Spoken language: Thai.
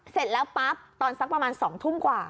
เสร็จแล้วปั๊บตอนสักประมาณ๒ทุ่มกว่า